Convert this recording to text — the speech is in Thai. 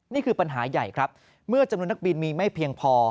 นี่คือปัญหาใหญ่ครับเมื่อจำนวนนักบินมีไม่เพียงพอ